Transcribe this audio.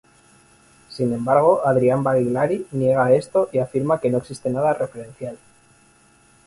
Sin embargo, Adrián Barilari niega esto y afirma que no existe nada referencial.